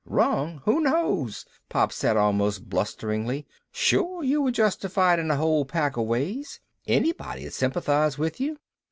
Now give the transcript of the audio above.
Wrong? Who knows?" Pop said almost blusteringly. "Sure you were justified in a whole pack of ways. Anybody'd sympathize with you.